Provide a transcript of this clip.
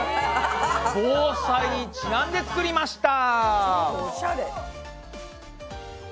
防災にちなんで作りました。